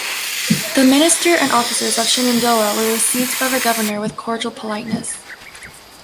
The minister and officers of "Shenandoah" were received by the governor with cordial politeness.